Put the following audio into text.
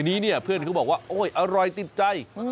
ทีนี้เพื่อนเขาบอกว่าอร่อยติดใจ